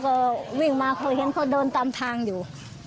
คือเขายิงแล้วก็วิ่งมาเขาเห็นเขาโดนตามทางอยู่